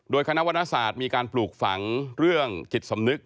โดยคณะวรรณศาสตร์มีการปลูกฝังเรื่องจิตสำนึก